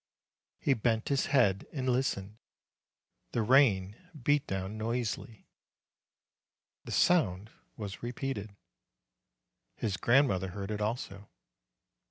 He bent his head and listened. The rain beat down noisily. The sound was repeated. His grandmother heard it also.